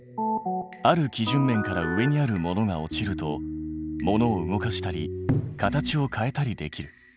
ある基準面から上にあるものが落ちるとものを動かしたり形を変えたりできる。